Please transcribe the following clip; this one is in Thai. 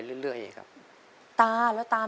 ขอเชิญปูชัยมาตอบชีวิตเป็นคนต่อไปครับ